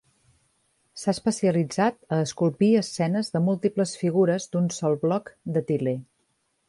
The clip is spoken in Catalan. S'ha especialitzat a esculpir escenes de múltiples figures d'un sol bloc de til·ler.